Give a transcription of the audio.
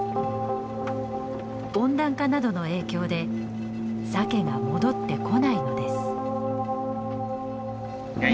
温暖化などの影響でサケが戻ってこないのです。